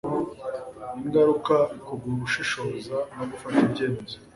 ingaruka ku gushishoza no gufata ibyemezo